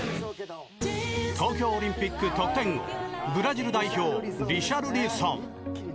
東京オリンピック得点王ブラジル代表リシャルリソン。